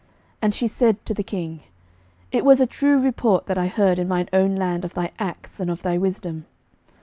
11:010:006 And she said to the king, It was a true report that I heard in mine own land of thy acts and of thy wisdom.